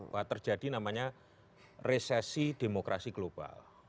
bahwa terjadi namanya resesi demokrasi global